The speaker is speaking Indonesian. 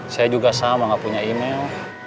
saya juga sama gak punya email